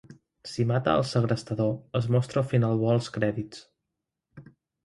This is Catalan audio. Si mata al segrestador, es mostra el final bo als crèdits.